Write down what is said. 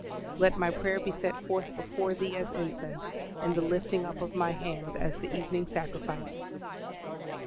"LET MY PRAYER BE SET FORTH BEFORE THEE AS INCENSE: AND THE LIFTING UP OF MY HANDS AS THE EVENING SACRIFICE."